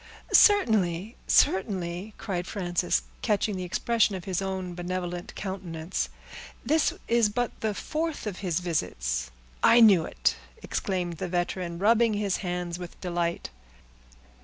"Certainly—certainly," cried Frances, catching the expression of his own benevolent countenance. "This is but the fourth of his visits." "I knew it!" exclaimed the veteran, rubbing his hands with delight.